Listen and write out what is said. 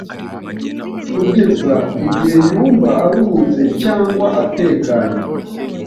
kugeza igihe yumva aruhutse cyangwa atekanye.